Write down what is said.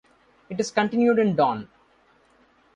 It is continued in Daun.